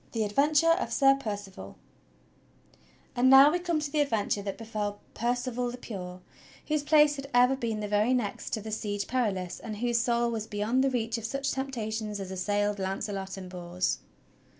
THE ADVENTURE OF SIR PERCIVAL And now we come to the adventure that befell Percival the Pure whose place had ever been the very next to the Siege Perilous, and whose soul was beyond the reach of such temptations as assailed Launcelot and Bors.